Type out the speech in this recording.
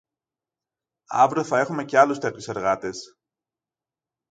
Αύριο θα έχουμε και άλλους τέτοιους εργάτες